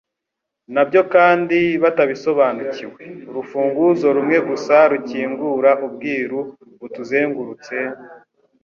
nabyo kandi batabisobanukiwe. Urufunguzo rumwe gusa rukingura ubwiru butuzengurutse,